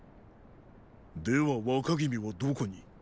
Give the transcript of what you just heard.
では若君はどこに？